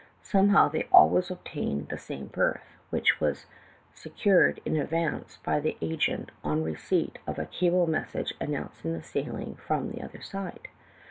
Somehow they always obtained the same berth, which was vsecured in advance by the agent on receipt of a cable message announcing the sailing from the other side.